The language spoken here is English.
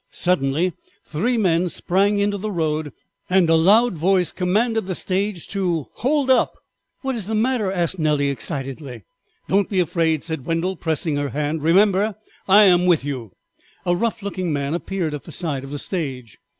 Suddenly three men sprang into the road, and a loud voice commanded the stage to "hold up." "What is the matter?" asked Nellie excitedly. "Don't be afraid," said Wendell, pressing her hand, "remember I am with you." A rough looking man appeared at the side of the stage.